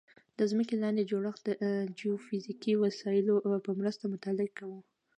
د ځمکې لاندې جوړښت د جیوفزیکي وسایلو په مرسته مطالعه کوي